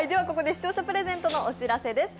視聴者プレゼントのお知らせです。